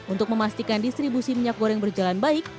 untuk memastikan distribusi minyak goreng berjalan baik